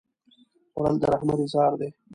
خوړل د رحمت اظهار دی